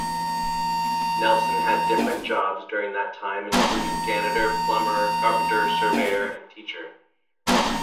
Nelson had different jobs during that time including janitor, plumber, carpenter, surveyor, and teacher.